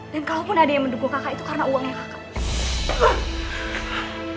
dan kalau pun ada yang mendukung kakak itu karena uangnya kakak